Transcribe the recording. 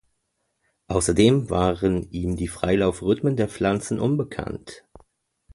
Außerdem waren ihm die Freilauf-Rhythmen bei Pflanzen unbekannt.